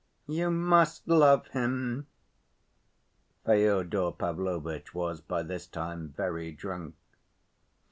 "You must love him" (Fyodor Pavlovitch was by this time very drunk).